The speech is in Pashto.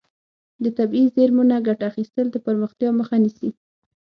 د طبیعي زیرمو نه ګټه اخیستل د پرمختیا مخه نیسي.